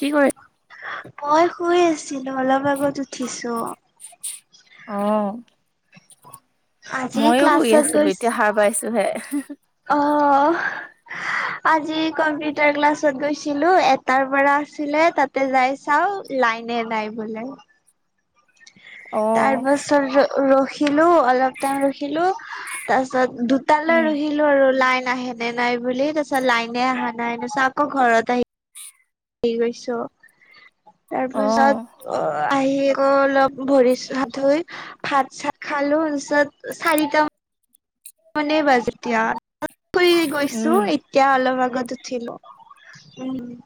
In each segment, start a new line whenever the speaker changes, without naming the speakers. কি কৰি
মই শুই আছিলো, অলপ আগত উঠিছো।
অ',
আজি
ময়ো শুই
ক্লাছত
আছিলো
গৈছ
এতিয়া সাৰ পাইছোহে।
অঁ। আজি কম্পিউটাৰ ক্লাছত গৈছিলো এটাৰ পৰা আছিলে, তাতে যাই চাওঁ লাইনে নাই বোলে
উম,
তাৰপাছৰ ৰখি ৰখিলো অলপ টাইম ৰখিলো তাৰ পিছত দুটালৈ ৰখিলো আৰু লাইন - আহেনে নাই বুলি তাৰপিছত লাইনে অহা নাই তাৰ পিছত আকৌ ঘৰত আহি- হ গৈছো
অ',
তাৰপিছত অ আহি- আকৌ অলপ ভৰি ধুই ভাত চাত খাঁলো তাৰপিছত চাৰিটা মান- মনে বাজে তেতিয়া শুই এ গৈছো
উম,
এতিয়া অলপ আ- আগত উঠিলো উম-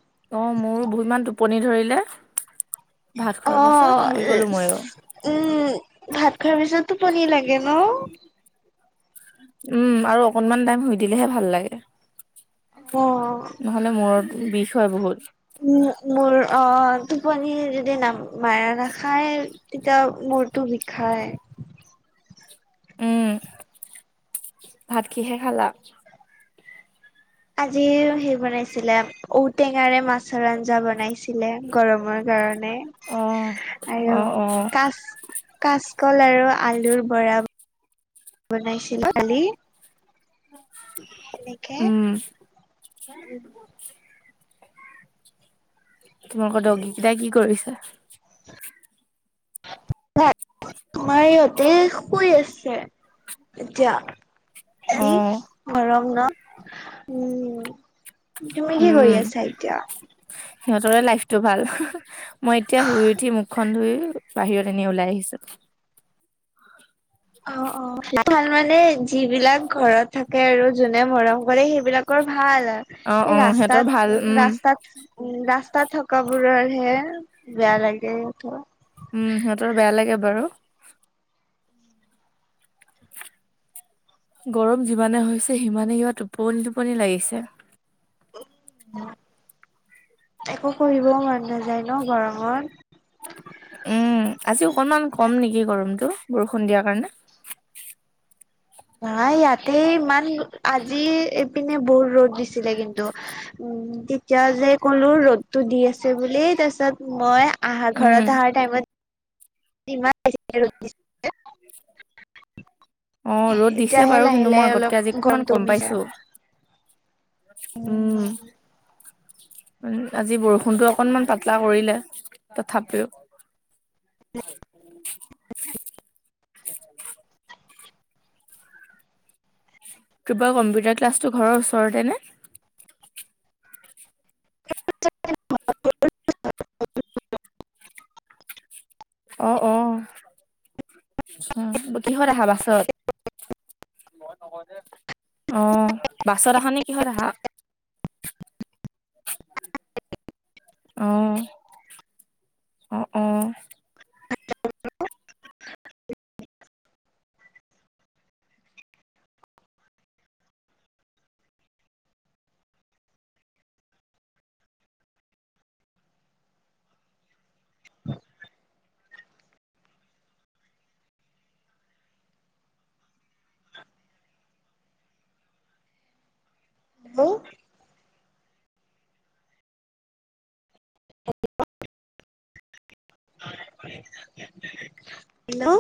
অ মোৰ বহ ইমান টোপনি ধৰিলে- ভাত
অ
খোৱাৰ পাছত শুই গ'লো
উম
ময়ো।
ভাত খোৱাৰ পিছত টোপনি লাগে ন?
উম আৰু অকনমান টাইম শুই দিলেহে ভাল লাগে নহলে মূৰৰ বিষ হয় বহুত-
উ মোৰ অ টোপনি যদি মাৰা নাখায়া নাখায় তেতিয়া- মূৰটো বিষাই-
উম ভাত কিহে খালা?
আজি সেই বনাইছিলে ঔটেঙাৰে মাছৰ আঞ্জা বনাইছিল- লে গৰমৰ কাৰণে
অ',
আৰু
অ', অ',
কাচ কাচ- কল আৰু আলুৰ বৰা- বনাইছিলো খালি- এনেকে
উম,
উ-
তোমালোকৰ মই কেইটা কি কৰিছা?
ন [unintelligible] তোমাৰ ইহঁতে শুই আছে এতিয়া-
অ',
স গৰম ন উম- তুমি কি
উম,
গৈ আছা এতিয়া-
সিহঁতৰে লাইফটো ভাল মই এতিয়া শুই উঠি মুখখন ধুই- বাহিৰত এনে ওলাই আহিছোঁ -
অ অ ভাল মানে যিবিলাক ঘৰত থাকে আৰু যোনে মৰম কৰে সেইবিলাকৰ ভাল- ভাল
অ',
এই
অ', সিহঁতৰ
ৰাস্তাত
ভাল
উ
উম।
ৰাস্তাত উ ৰা- [unintelligible] ৰাস্তাত থকা বোৰহে বেয়া লাগে সিহঁত-
উম সিহঁতৰ বেয়া লাগে বাৰু- গৰম যিমানে হৈছে সিমানে কিবা টোপনি টোপনি লাগিছে-
একো কৰিবও মন নাযায় ন গৰমত-
উম আজি অকনমান কম নেকি গৰমতটো বৰষুণ দিয়াৰ কাৰণে-
নাই ইয়াতে ইমান আজি এইপিনে বহুত ৰ'দ দিছিলে কিন্তু- উম তেতিয়া যে ক'লো ৰ'দতটো দি আছে বুলি তাৰ পিছত মই আহা
উম,
ঘৰতৰত আহা টাইমত ইমান বেছিকে ৰ'দ দিছে -
[unintelligible] [inaudible] অ ৰ'দ দিছে
এতিয়া
বাৰু
লাহে
কিন্তু মই
লাহে অলপ
আগতকে আজি অকমান
গৰমটো
কম
কমিছে
পাইছোঁ - উম- আজি বৰষুণটো অকনমান পাতলা কৰিলে তথাপিও-
[inaudible]
স [unintelligible] কৃপা কম্পিউটাৰ ক্লাছটো ঘৰৰ ওচৰতে নে?
[unintelligible]
অ অ কিহত আহা বাছত? অ বাছত আহা নে কিহত আহা?
[unintelligible]
অ অ অ-
হেল্ [unintelligible] [unintelligible] হেল্ল', হেল্ল',